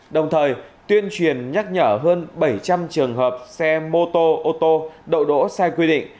đồng thời tuyên truyền nhắc nhở hơn bảy trăm linh trường hợp xe mô tô ô tô đậu đỗ sai quy định